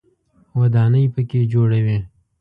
ودانۍ په کې جوړوي.